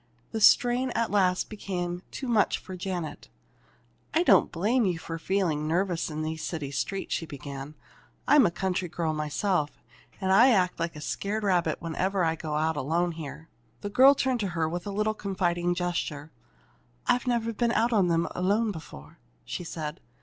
The strain at last became too much for Janet. "I don't blame you for feeling nervous in these city streets," she began. "I'm a country girl myself, and I act like a scared rabbit whenever I go out alone here." The girl turned to her with a little confiding gesture. "I've never been out in them alone before," she said.